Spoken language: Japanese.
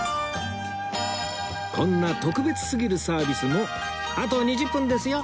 こんな特別すぎるサービスもあと２０分ですよ！